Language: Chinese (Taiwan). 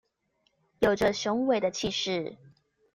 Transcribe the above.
有著雄偉的氣勢